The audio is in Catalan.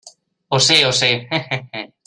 Ho sé, ho sé, he, he, he.